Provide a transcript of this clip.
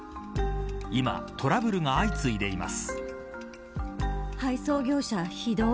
今、トラブルが相次いでいます。